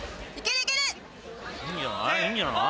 いいんじゃない？